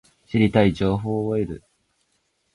知りたい情報を得る